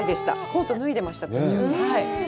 コートを脱いでました。